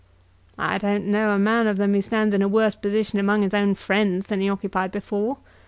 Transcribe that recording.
"I don't know a man of them who stands in a worse position among his own friends than he occupied before.